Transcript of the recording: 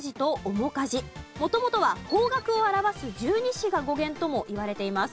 元々は方角を表す十二支が語源ともいわれています。